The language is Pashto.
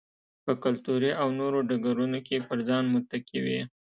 په کلتوري او نورو ډګرونو کې پر ځان متکي وي.